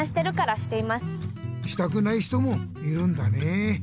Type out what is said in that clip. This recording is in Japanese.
したくない人もいるんだねえ。